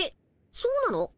そうなの？